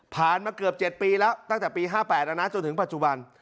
มาเกือบ๗ปีแล้วตั้งแต่ปี๕๘แล้วนะจนถึงปัจจุบัน